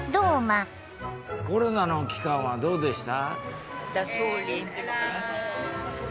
コロナの期間はどうでした？